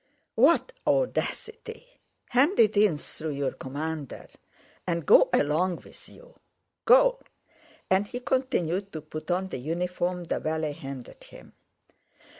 "What audacity! Hand it in through your commander. And go along with you... go," and he continued to put on the uniform the valet handed him.